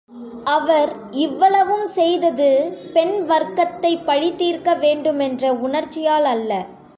அவர் இவ்வளவும் செய்தது பெண் வர்க்கத்தை பழிதீர்க்க வேண்டுமென்ற உணர்ச்சியாலல்ல.